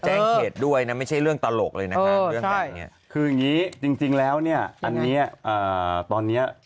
แจ้งเหตุด้วยนะไม่ใช่เรื่องตลกเลยนะค่ะคืออย่างนี้จริงแล้วอันนี้ตอนนี้